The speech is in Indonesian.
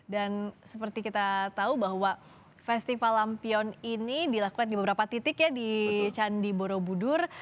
dan seperti kita tahu bahwa festival lampion ini dilakukan di beberapa titik ya di candi borobudur